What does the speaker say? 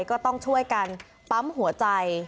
ก็ต้องช่วยกันปั๊มหัวใจ